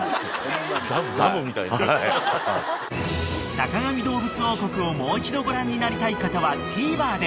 ［『坂上どうぶつ王国』をもう一度ご覧になりたい方はＴＶｅｒで］